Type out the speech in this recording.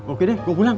oke deh gue pulang